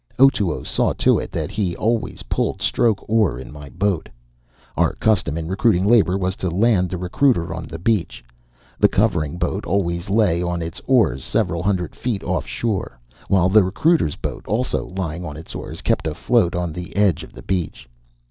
Otoo saw to it that he always pulled stroke oar in my boat. Our custom in recruiting labor was to land the recruiter on the beach. The covering boat always lay on its oars several hundred feet off shore, while the recruiter's boat, also lying on its oars, kept afloat on the edge of the beach.